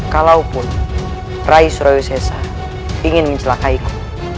kalaupun raih surawi sesa ingin mencelakaiku